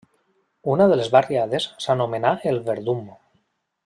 Una de les barriades s'anomenà el Verdum.